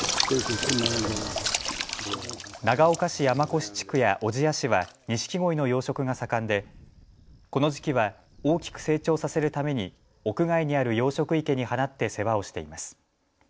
長岡市山古志地区や小千谷市はニシキゴイの養殖が盛んでこの時期は大きく成長させるために屋外にある養殖池に放って世話をしています。